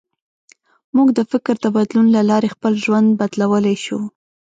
موږ د فکر د بدلون له لارې خپل ژوند بدلولی شو.